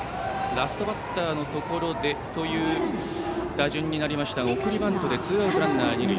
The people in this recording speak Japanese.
ラストバッターのところでという打順になりましたが送りバントでツーアウトランナー、二塁。